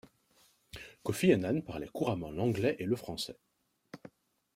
Kofi Annan parlait couramment l'anglais et le français.